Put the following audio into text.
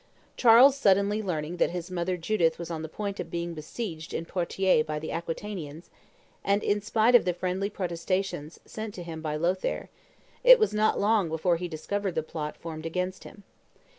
Charles suddenly learned that his mother Judith was on the point of being besieged in Poitiers by the Aquitanians; and, in spite of the friendly protestations sent to him by Lothaire, it was not long before he discovered the plot formed against him.